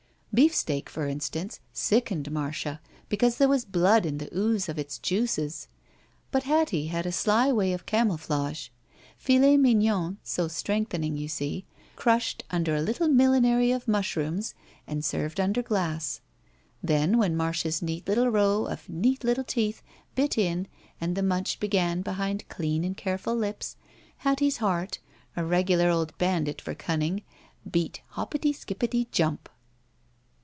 Beefsteak, for instance, sickened Marda, because there was blood in the ooze of its juices. But Hattie had a sly way of camouflage. Filet mignon (so strengthening, you see) crushed imder a little millinery of mushrooms and served imder glass. Then when Marda's neat little row of neat little teeth bit in and the mtmch began behind clean and careful lips, Hattie's heart, a regular old bandit for cimning, beat hoppity, skippity, jump!